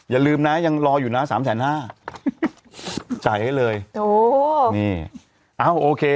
อย่าลืมนะยังรออยู่นะสามแสนห้าจ่ายให้เลยโอ้นี่เอ้าโอเค